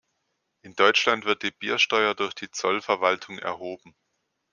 In Deutschland wird die Biersteuer durch die Zollverwaltung erhoben.